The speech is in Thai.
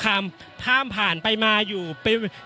อย่างที่บอกไปว่าเรายังยึดในเรื่องของข้อ